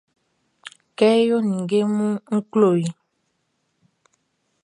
Kɛ e yo ninnge munʼn, n klo i.